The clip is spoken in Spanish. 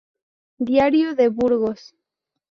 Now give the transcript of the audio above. Diario de Burgos